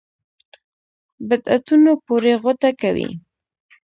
بدعتونو پورې غوټه کوي.